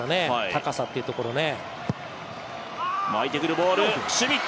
高さというところね。